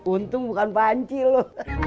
untung bukan panci lo